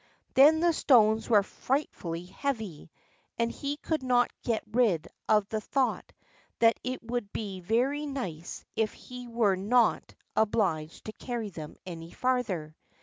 Then the stones were frightfully heavy, and he could not get rid of the thought that it would be very nice if he were not obliged to carry them any farther.